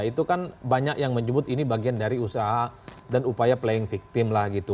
itu kan banyak yang menyebut ini bagian dari usaha dan upaya playing victim lah gitu